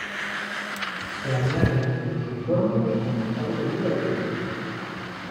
Se añaden los unicornios como estado de vida oculto.